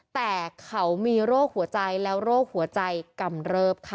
แต่เขามีโรคหัวใจแล้วโรคหัวใจกำเริบค่ะ